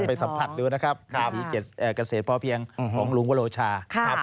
ไปสัมผัสดูนะครับวิถีเกษตรพอเพียงของลุงวโลชา